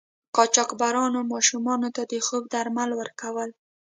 قاچاقبرانو ماشومانو ته د خوب درمل ورکول.